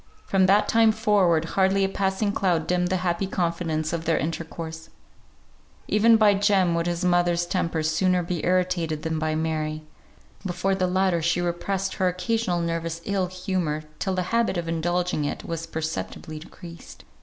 From that time forward, hardly a passing cloud dimmed the happy confidence of their intercourse; even by Jem would his mother's temper sooner be irritated than by Mary; before the latter she repressed her occasional nervous ill humour till the habit of indulging it was perceptibly decreased.